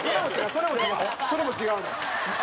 それも違うねん。